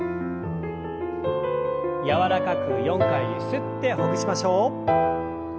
柔らかく４回ゆすってほぐしましょう。